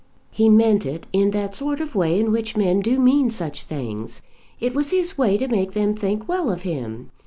"He meant it in that sort of way in which men do mean such things. It was his way to make them think well of him.